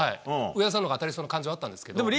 上田さんのほうが当たりそうな感じはあったんですけど。